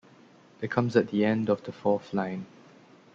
It comes at the end of the fourth line.